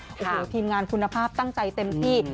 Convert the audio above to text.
โอ้โหทีมงานคุณภาพตั้งใจเต็มที่